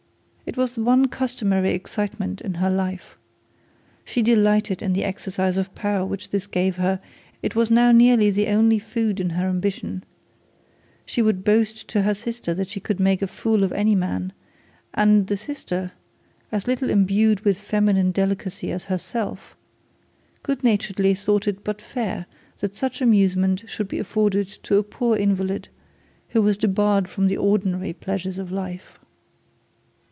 It was the one customary excitement of her life. She delighted in the exercise of power which this gave her; it was now nearly the only food for her ambition; she would boast to her sister that she could make a fool of any man, and the sister, as little imbued with feminine delicacy as herself, good naturedly thought it but fair that such amusement should be afforded to a poor invalid who was debarred from the ordinary pleasures of life.